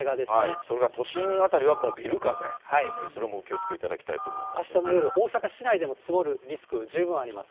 それから都心辺りはもうビル風、それもお気をつけいただきたあしたの夜、大阪市内でも積もるリスク、十分あります。